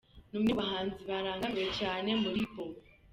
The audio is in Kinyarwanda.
Ni umwe mu bahanzi barangamiwe cyane muri Hip Hop.